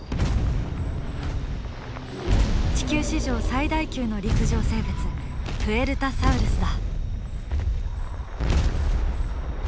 地球史上最大級の陸上生物プエルタサウルスだ。